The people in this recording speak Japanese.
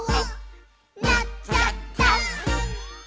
「なっちゃった！」